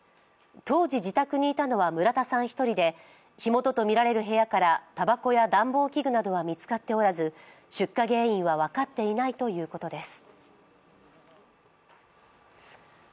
当時、自宅にいたのは村田さん１人で火元とみられる部屋からたばこや暖房器具などは見つかっておらず、出火原因は分かっていないということです。